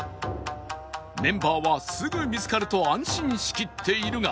メンバーはすぐ見つかると安心しきっているが